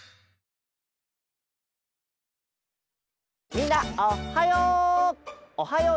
みんなおはよう！